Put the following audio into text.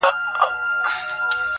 چي اسمان ورته نجات نه دی لیکلی!